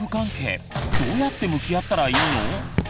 どうやって向き合ったらいいの？